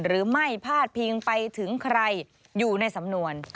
หรือไม่พาดเพียงไปถึงใครอยู่ในสำนวน